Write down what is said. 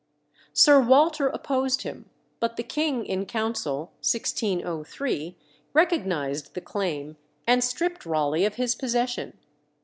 Sir Walter opposed him, but the king in council, 1603, recognised the claim, and stripped Raleigh of his possession.